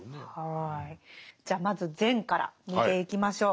じゃあまず善から見ていきましょう。